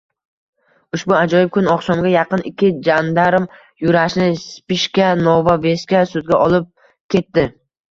Ushbu ajoyib kun oqshomga yaqin ikki jandarm Yurashni Spishka Nova Vesga – sudga olib ketdi.